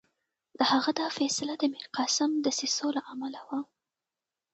د هغه دا فیصله د میرقاسم دسیسو له امله وه.